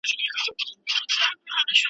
پر هډوکو دي لړزه سي ته چي ښکلې نجوني ګورې .